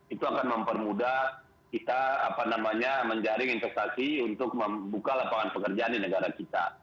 itu akan mempermudah kita menjaring investasi untuk membuka lapangan pekerjaan di negara kita